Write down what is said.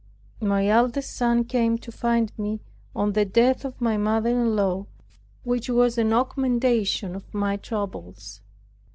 My eldest son came to find me on the death of my mother in law, which was an augmentation of my troubles.